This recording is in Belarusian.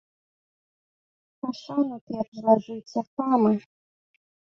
Пашану перш злажыце, хамы!